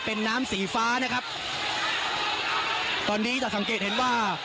เป็นน้ำสีฟ้านะครับตอนนี้จะสังเกตเห็นว่า